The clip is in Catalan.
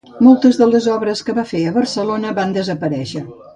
Moltes de les obres que va fer a Barcelona van desaparèixer.